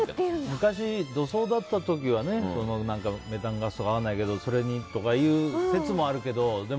昔、土葬だった時はメタンガスとか分からないけどそういう説もあるけど。